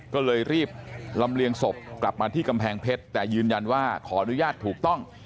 ก็เลยรีบลำเลียงศพกลับมาที่กำแพงเพชรแต่ยืนยันว่าขออนุญาตถูกต้อง